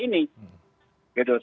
pasal di dalam rkuhp ini